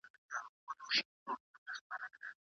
د څېړونکي لیکنه له عادي ليکني منظمه وي.